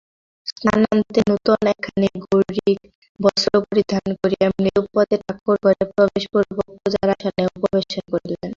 স্নানান্তে নূতন একখানি গৈরিক বস্ত্র পরিধান করিয়া মৃদুপদে ঠাকুরঘরে প্রবেশপূর্বক পূজার আসনে উপবেশন করিলেন।